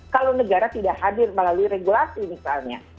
kalau negara tidak hadir melalui regulasi misalnya